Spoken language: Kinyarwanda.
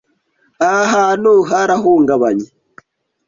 Aha hantu harahungabanye.